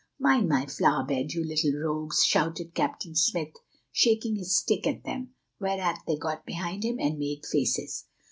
"Mind my flower bed, you little rogues," shouted Captain Smith, shaking his stick at them, whereat they got behind him and made faces.